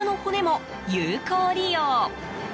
更に、魚の骨も有効利用。